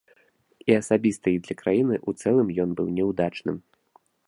І асабіста, і для краіны ў цэлым ён быў няўдачным.